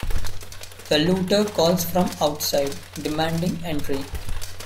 The looter calls from outside, demanding entry.